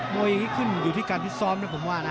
อย่างนี้ขึ้นอยู่ที่การพิซ้อมนะผมว่านะ